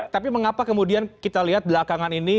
tapi mengapa kemudian kita lihat belakangan ini